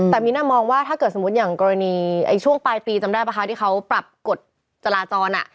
แต่มิ้นมองว่าถ้าเกิดสมมุติอย่างกรณีช่วงปลายปีจำได้ป่ะคะที่เขาปรับกฎจราจร